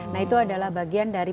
nah itu adalah bagian dari